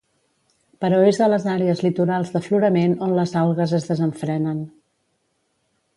Però és a les àrees litorals d’aflorament on les algues es desenfrenen.